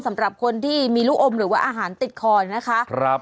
สำหรับคนที่มีลูกอมหรือว่าอาหารติดคอนะคะ